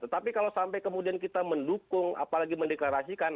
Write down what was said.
tetapi kalau sampai kemudian kita mendukung apalagi mendeklarasikan